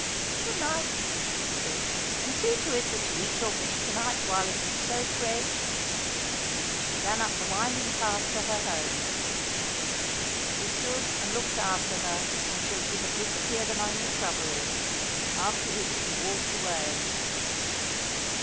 "Good night!" she said, "and see to it that you eat your fish to night while it is so fresh." Then she ran up the winding path to her home. He stood and looked after her until she had disappeared among the shrubbery, after which he walked away.